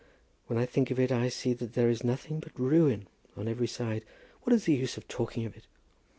When I think of it I see that there is nothing but ruin on every side. What is the use of talking of it?